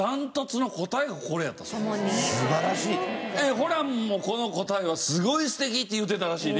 ホランもこの答えはすごい素敵って言うてたらしいね。